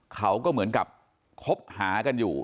เขาก็เหมือนกับคบหากันอยู่